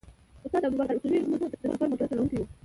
استاد ابوبکر اصولي مو د سفر موټر چلوونکی و.